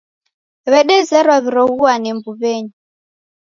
W'edezerwa w'iroghuane mbuw'enyi.